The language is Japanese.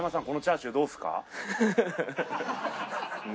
このチャーシューどうですか？